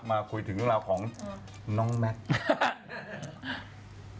มาคุยถึงเรื่องราวของน้องแม็กซ์